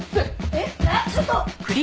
えっちょっと！